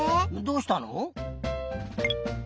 どうしたの？